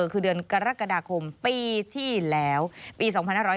คือเดือนกรกฎาคมปีที่แล้วปี๒๕๖๐